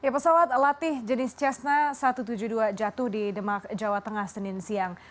pesawat latih jenis cessna satu ratus tujuh puluh dua jatuh di demak jawa tengah senin siang